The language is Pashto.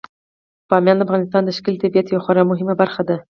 بامیان د افغانستان د ښکلي طبیعت یوه خورا مهمه برخه ده.